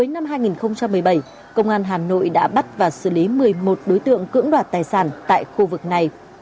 năm hai nghìn một mươi bảy công an hà nội đã bắt và xử lý một mươi một đối tượng cưỡng đoạt tài sản tại khu vực này